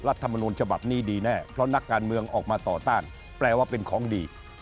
รัฐมนุนฉบับนี้ดีแน่เพราะนักการเมืองออกมาต่อต้านแปลว่าเป็นของดี